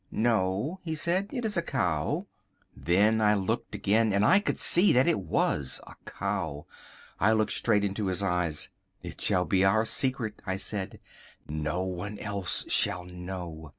"No," he said, "it is a cow!" Then I looked again and I could see that it was a cow. I looked straight into his eyes. "It shall be our secret," I said; "no one else shall know."